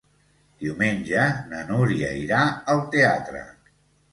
Diumenge na Núria irà al teatre.